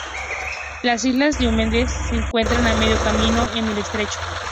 Las Islas Diómedes se encuentran a medio camino en el Estrecho.